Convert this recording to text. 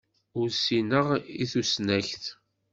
Ur ssineɣ i tusnakt.